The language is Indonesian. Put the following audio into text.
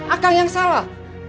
akang yang salah